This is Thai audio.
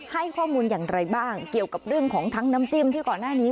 ให้ข้อมูลอย่างไรบ้างเกี่ยวกับเรื่องของทั้งน้ำจิ้มที่ก่อนหน้านี้